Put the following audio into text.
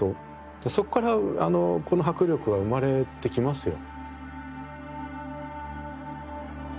そこからこの迫力は生まれてきますよ。